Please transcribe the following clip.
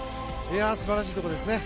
素晴らしいところですね。